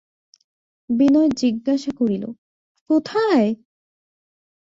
বিনয় জিজ্ঞাসা করিল, কোথায়?